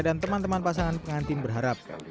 dan teman teman pasangan pengantin berharap